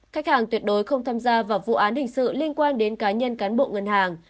khách hàng tuyệt đối không tham gia vào vụ án hình sự liên quan đến cá nhân cán bộ ngân hàng